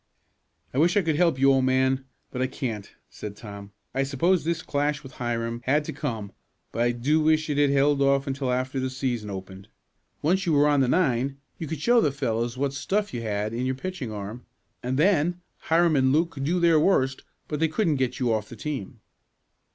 "I wish I could help you, old man, but I can't," said Tom. "I suppose this clash with Hiram had to come but I do wish it had held off until after the season opened. Once you were on the nine you could show the fellows what stuff you had in your pitching arm, and then Hiram and Luke could do their worst, but they couldn't get you off the team."